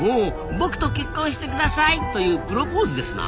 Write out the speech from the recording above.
「僕と結婚して下さい！」というプロポーズですな！